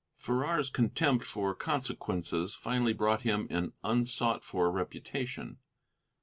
Farrar's contempt for consequences finally brought him an unsought for reputation.